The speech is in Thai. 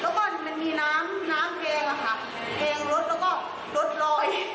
แล้วก็มันมีน้ำน้ำแกงอะค่ะแกงรสแล้วก็รสลอย